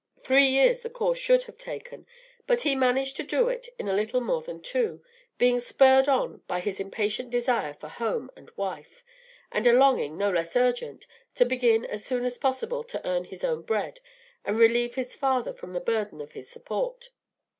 Three years the course should have taken, but he managed to do it in a little more than two, being spurred on by his impatient desire for home and wife, and a longing, no less urgent, to begin as soon as possible to earn his own bread and relieve his father from the burden of his support.